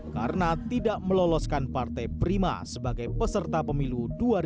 karena tidak meloloskan partai prima sebagai peserta pemilu dua ribu dua puluh empat